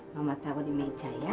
mama tahu di meja ya